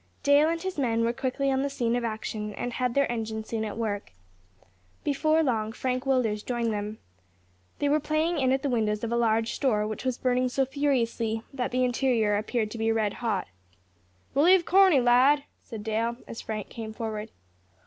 Dale and his men were quickly on the scene of action, and had their engine soon at work. Before long, Frank Willders joined them. They were playing in at the windows of a large store, which was burning so furiously that the interior appeared to be red hot. "Relieve Corney, lad," said Dale, as Frank came forward.